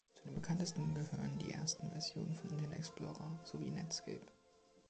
Zu den bekanntesten gehören die ersten Versionen von Internet Explorer sowie Netscape.